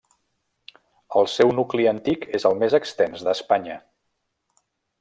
El seu nucli antic és el més extens d'Espanya.